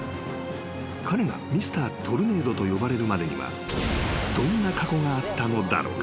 ［彼がＭｒ．トルネードと呼ばれるまでにはどんな過去があったのだろうか？］